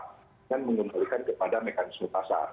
dengan mengembalikan kepada mekanisme pasar